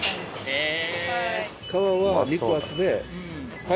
へえ！